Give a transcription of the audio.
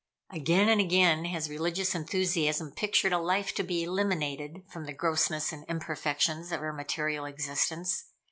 Again and again has religious enthusiasm pictured a life to be eliminated from the grossness and imperfections of our material existence.